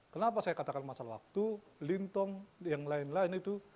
kenapa saya katakan masalah waktu lintong yang lain lain itu